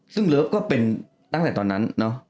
ซึ่งเลิฟก็เป็นตั้งแต่ตอนนั้นเนอะ